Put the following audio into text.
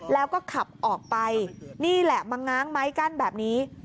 แล้วก็ขับออกไปนี่แหละมาง้างไม้กั้นแบบนี้